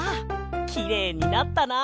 きれいになったな。